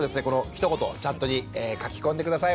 ひと言チャットに書き込んで下さい。